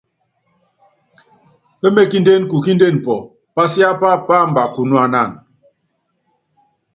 Pémékindé kukinde pɔ́ɔ́, pasiápá páamba kunuanana.